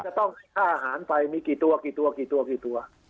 กลมจะต้องมีค่าอาหารไปมีกี่ตัว